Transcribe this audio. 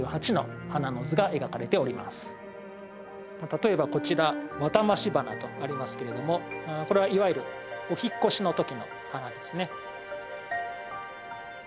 例えばこちら「ワタマシ花」とありますけれどもこれはいわゆるお引っ越しの時の花ですね。